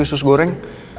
putri sus goreng